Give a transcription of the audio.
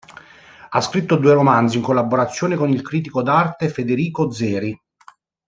Ha scritto due romanzi in collaborazione con il critico d'arte Federico Zeri.